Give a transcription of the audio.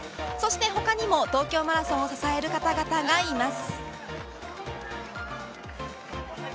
他にも東京マラソンを支える方々がいます。